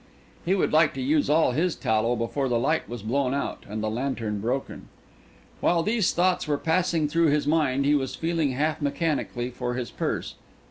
He would like to use all his tallow before the light was blown out and the lantern broken. While these thoughts were passing through his mind, he was feeling, half mechanically, for his purse.